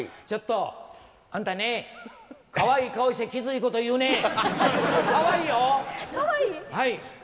ちょっと！あんたかわいい顔してきついこと言うね。